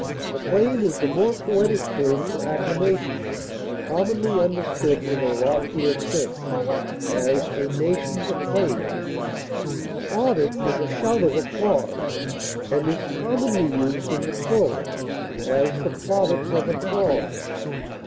Acclaim is the more poetic term for acclamation, commonly understood in a loftier sense; as, a nation's acclaim. Plaudit is a shout of applause, and is commonly used in the plural; as, the plaudits of a throng.